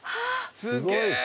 すげえ！